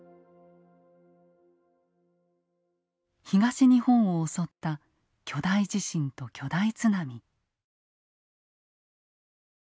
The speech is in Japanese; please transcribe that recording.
東日本を襲った巨大地震と巨大津波。